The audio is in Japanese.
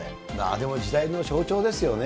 でも時代の象徴ですよね。